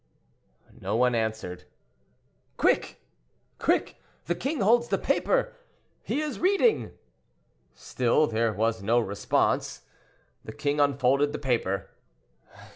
No one answered. "Quick! quick! the king holds the paper; he is reading!" Still there was no response. The king unfolded the paper.